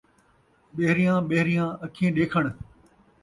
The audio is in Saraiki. ٻیہریاں ٻیہریاں اکھیں ݙیکھݨ